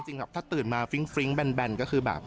ถ้าตื่นมาฟริ้งแบนก็คือแบบ